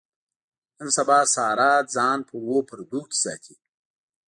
نن سبا ساره ځان په اوو پردو کې ساتي.